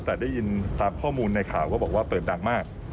แต่ได้ยินตามข้อมูลในข่าวก็บอกว่าเปิดดังมาก